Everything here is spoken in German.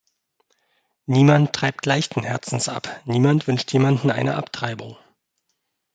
Niemand treibt leichten Herzens ab, niemand wünscht jemandem eine Abtreibung.